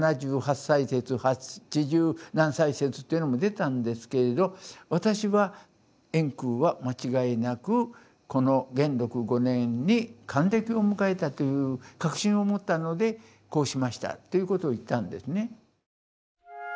７８歳説八十何歳説というのも出たんですけれど私は円空は間違いなくこの元禄５年に還暦を迎えたという確信を持ったのでこうしましたということを言ったんですね。